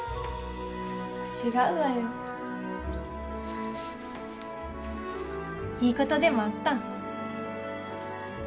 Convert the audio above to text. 違うわよいいことでもあったん？